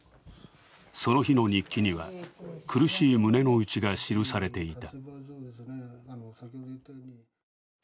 その日の日記には、苦しい胸の内が記されていた。